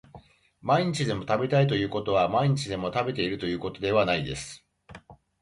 毎日でも食べたいということは毎日でも食べているということではないです